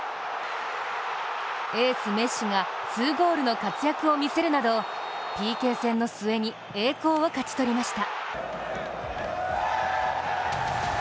エース・メッシが２ゴールの活躍を見せるなど、ＰＫ戦の末に栄光を勝ち取りました。